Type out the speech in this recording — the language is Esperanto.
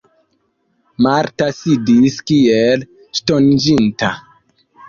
Marta sidis kiel ŝtoniĝinta.